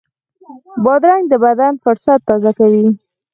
بادرنګ د بدن فُرصت تازه کوي.